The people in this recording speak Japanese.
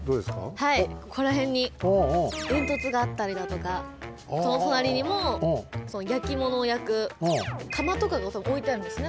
はいここらへんに煙突があったりだとかそのとなりにも焼き物を焼く窯とかがおいてあるんですね。